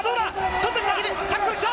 取ってきた。